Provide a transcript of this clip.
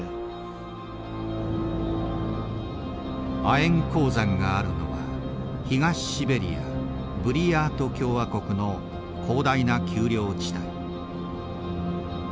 亜鉛鉱山があるのは東シベリアブリヤート共和国の広大な丘陵地帯。